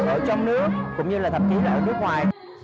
ở trong nước cũng như là thậm chí là ở nước ngoài